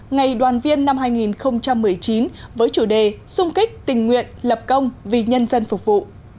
ngày đoàn viên năm hai nghìn một mươi chín với chủ đề xung kích tình nguyện lập công vì nhân dân phục vụ